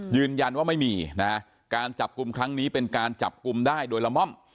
ยืนยันว่าไม่มีนะการจับกลุ่มครั้งนี้เป็นการจับกลุ่มได้โดยละม่อม